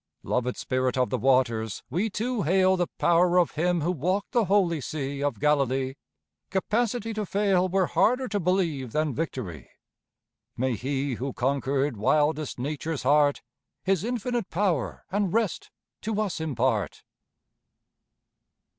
Loved spirit of the waters, we too hail The power of Him who walked the holy sea Of Galilee. Capacity to fail Were harder to believe than victory. May He who conquered wildest Nature's heart His infinite power and rest to us impart!